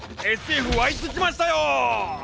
ＳＦ湧いてきましたよ！